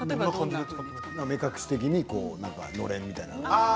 目隠し的にのれんみたいなもの。